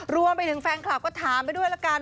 รวมไปถึงแฟนคลับก็ถามไปด้วยละกัน